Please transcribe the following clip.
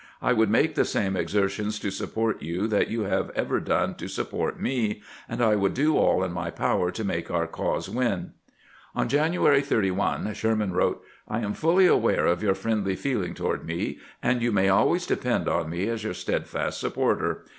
I would make the same exer tions to support you that you have ever done to support me, and I would do aU in my power to make our cause win." On January 31 Sherman wrote :" I am fully aware of your friendly feeling toward me, and you may always depend on me as your steadfast supporter.